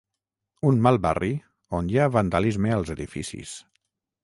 un mal barri on hi ha vandalisme als edificis